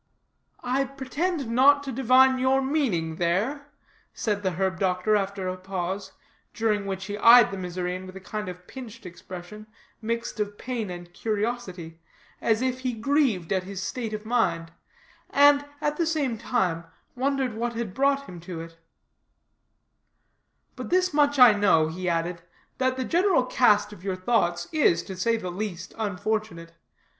"I pretend not to divine your meaning there," said the herb doctor, after a pause, during which he eyed the Missourian with a kind of pinched expression, mixed of pain and curiosity, as if he grieved at his state of mind, and, at the same time, wondered what had brought him to it, "but this much I know," he added, "that the general cast of your thoughts is, to say the least, unfortunate.